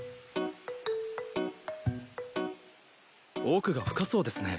奥が深そうですね。